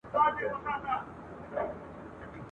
او د ښکار ورڅخه ورک سو ژوندی مړی !.